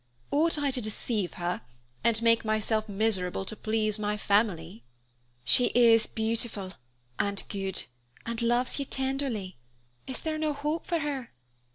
Ought I to deceive her, and make myself miserable to please my family?" "She is beautiful and good, and loves you tenderly; is there no hope for her?"